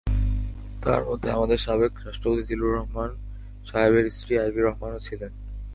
তার মধ্যে আমাদের সাবেক রাষ্ট্রপতি জিল্লুর রহমান সাহেবের স্ত্রী আইভি রহমানও ছিলেন।